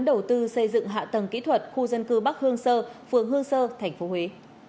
đầu tư xây dựng hạ tầng kỹ thuật khu dân cư bắc hương sơ phường hương sơ tp huế